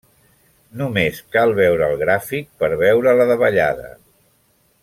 Només cal veure el gràfic per veure la davallada.